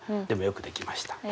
でもよくできました。